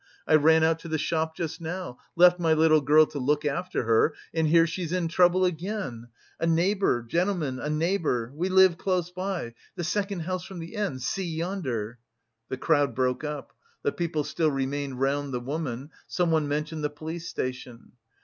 I ran out to the shop just now, left my little girl to look after her and here she's in trouble again! A neighbour, gentleman, a neighbour, we live close by, the second house from the end, see yonder...." The crowd broke up. The police still remained round the woman, someone mentioned the police station....